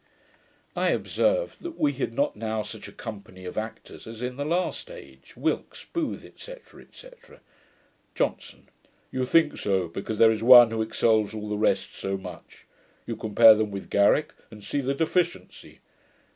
I observed, that we had not now such a company of actors as in the last age; Wilks, Booth, &c. &c. JOHNSON. 'You think so, because there is one who excels all the rest so much: you compare them with Garrick, and see the deficiency.